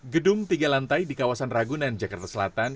gedung tiga lantai di kawasan ragunan jakarta selatan